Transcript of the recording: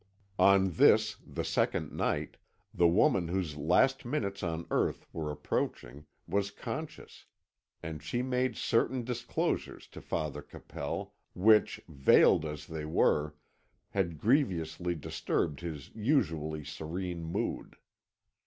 On this, the second night, the woman whose last minutes on earth were approaching, was conscious, and she made certain disclosures to Father Capel which, veiled as they were, had grievously disturbed his usually serene mood.